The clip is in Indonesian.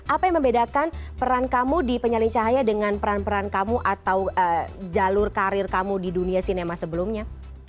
apa yang membedakan peran kamu di penyalin cahaya dengan peran peran kamu atau jalur karir kamu di dunia sinema sebelumnya